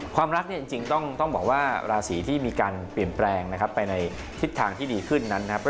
ความรักเนี่ยจริงต้องบอกว่าราศีที่มีการเปลี่ยนแปลงนะครับไปในทิศทางที่ดีขึ้นนั้นนะครับ